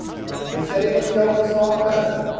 They said he must go in the small cutter.